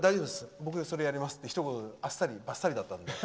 僕、それやりますって、ひと言あっさりだったので。